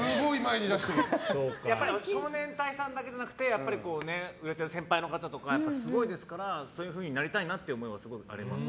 やっぱり少年隊さんだけじゃなくて売れている先輩の方とかすごいですからそういうふうになりたいなという思いはあります。